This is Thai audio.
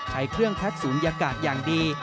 ขายเครื่องแพ็กซ์ศูนย์ยากาศอย่างดี